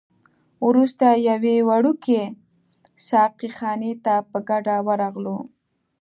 وروسته یوې وړوکي ساقي خانې ته په ګډه ورغلو.